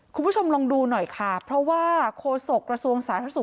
คุณผู้ชมลองดูหน่อยค่ะเพราะว่าโคสกรสวงสาธุนัสศุกร์